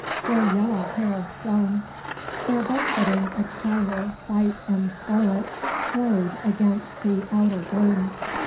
Their yellow hair shone. Their banqueting attire, white and scarlet, glowed against the outer gloom.